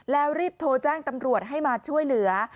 แล้วรีบโทรแจ้งตำรวจให้มาช่วยเหลือ